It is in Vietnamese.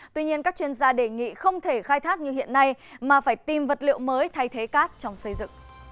tuy nhiên các chuyên gia đề nghị không thể khai thác như hiện nay mà phải tìm vật liệu mới thay thế cát trong xây dựng